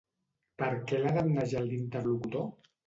Per què l'ha damnejat l'interlocutor?